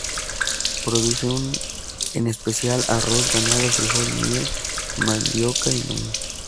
Produce, en especial, arroz, ganado, frijol, miel, mandioca y maíz.